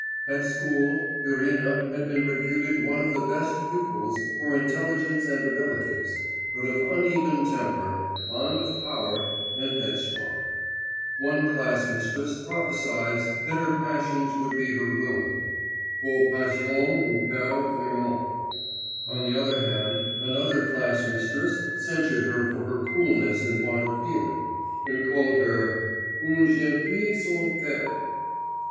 At school, Irina had been reputed one of the best pupils for intelligence and abilities, but of uneven temper, fond of power, and headstrong; one class mistress prophesied that her passions would be her ruin 'vos passions vous perdront', on the other hand, another class mistress censured her for coldness and want of feeling, and called her 'une jeune fille sans cœur.